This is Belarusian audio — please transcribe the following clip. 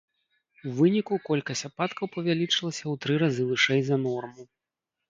У выніку колькасць ападкаў павялічылася ў тры разы вышэй за норму.